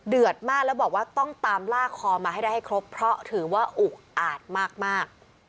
มากแล้วบอกว่าต้องตามล่าคอมาให้ได้ให้ครบเพราะถือว่าอุกอาจมาก